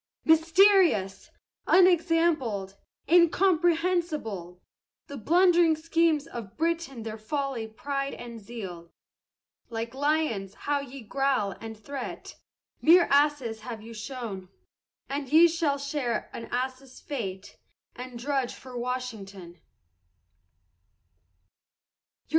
Mysterious! unexampled! incomprehensible! The blundering schemes of Britain their folly, pride, and zeal, Like lions how ye growl and threat! mere asses have you shown, And ye shall share an ass's fate, and drudge for Washington!